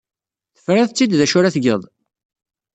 Tefrid-tt-id d acu ara tged?